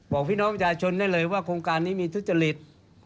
บอกพี่น้องประชาชนได้เลยว่าโครงการนี้มีทุจริต